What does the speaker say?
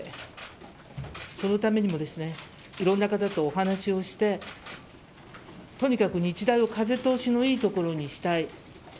そのためにもいろんな方とお話をしてとにかく日大を風通しの良いところにしたい。